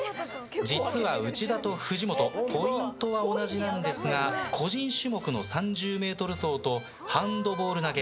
実は内田と藤本ポイントは同じなんですが個人種目の３０ｍ走とハンドボール投げ